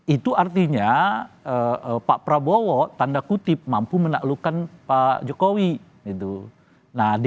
itu artinya pak prabowo tanda kutip mampu menaklukkan pak jokowi